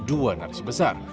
dua narasi besar